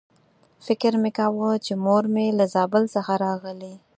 فکر مې کاوه چې مور مې له زابل څخه راغلې.